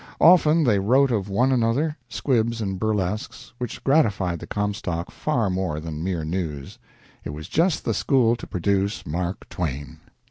Often they wrote of one another squibs and burlesques, which gratified the Comstock far more than mere news. It was just the school to produce Mark Twain.